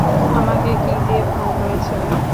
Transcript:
আমাকে কী দিয়ে ফোন করেছিলে?